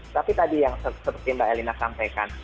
tapi tadi yang seperti mbak elina sampaikan